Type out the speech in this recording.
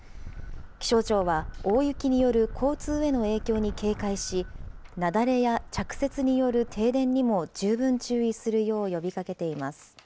気象庁は大雪による交通への影響に警戒し、雪崩や着雪による停電にも十分注意するよう呼びかけています。